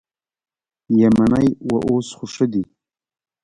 یمنی و اوس خو ښه دي.